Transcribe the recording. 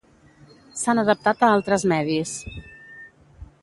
S'han adaptat a altres medis.